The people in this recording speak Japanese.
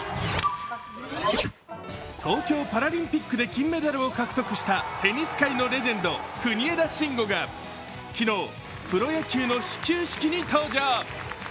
東京パラリンピックで金メダルを獲得したテニス界のレジェンド・国枝慎吾が昨日、プロ野球の始球式に登場。